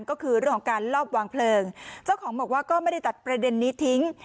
ก็คือเรื่องของการลอบวางเพลิงเจ้าของบอกว่าก็ไม่ได้ตัดประเด็นนี้ทิ้ง